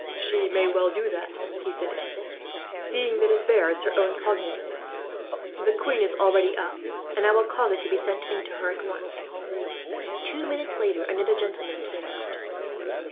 "She may well do that," he said, "seeing that it bears her own cognizance. The queen is already up, and I will cause it to be sent in to her, at once." Two minutes later another gentleman came out.